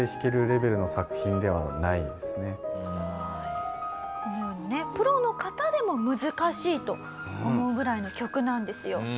このようにねプロの方でも難しいと思うぐらいの曲なんですよ。